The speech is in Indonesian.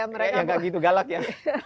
mereka nggak gitu galak ya